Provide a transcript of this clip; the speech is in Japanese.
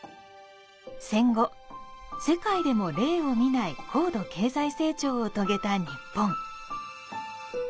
戦後、世界でも例を見ない高度経済成長を遂げた日本。